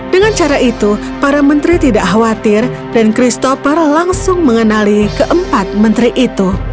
dengan cara itu para menteri tidak khawatir dan christopher langsung mengenali keempat menteri itu